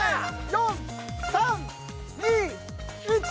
４３２１。